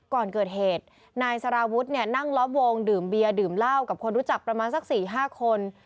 ก่อนเกิดเหตุนายสารวุฒิเนี่ยนั่งล้อมวงดื่มเบียร์ดื่มเหล้ากับคนรู้จักประมาณสัก๔๕คน